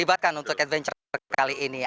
dilibatkan untuk adventure kali ini